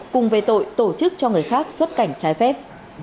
cùng về tội tổ chức cho người khác xuất cảnh trái phép